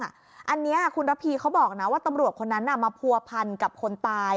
อันนี้คุณระพีเขาบอกนะว่าตำรวจคนนั้นมาผัวพันกับคนตาย